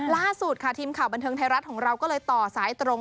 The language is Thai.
ล่าสุดค่ะทีมข่าวบันเทิงไทยรัฐของเราก็เลยต่อสายตรง